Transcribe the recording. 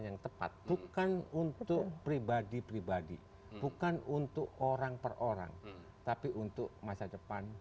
yang tepat bukan untuk pribadi pribadi bukan untuk orang per orang tapi untuk masa depan